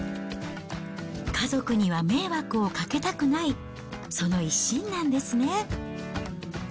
家族には迷惑をかけたくない、その一心なんですね。